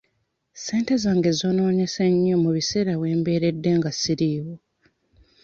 Ssente zange zoonoonese nnyo mu biseera we mbeeredde nga siriiwo.